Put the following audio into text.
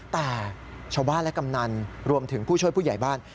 แต่ชาวบ้านและกำนันรวมถึงผู้ช่วยผู้ใหญ่บ้าน